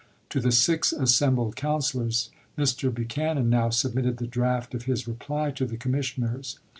To the six assembled councilors, Mr. Buch anan now submitted the draft of his reply to the commissioners.